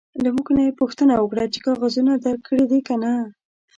له موږ نه یې پوښتنه وکړه چې کاغذونه درکړي دي که نه.